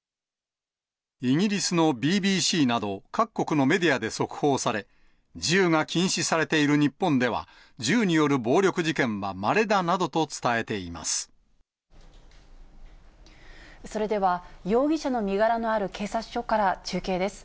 イギリスのＢＢＣなど各国のメディアで速報され、銃が禁止されている日本では、銃による暴力事件はまれだなどとそれでは、容疑者の身柄のある警察署から中継です。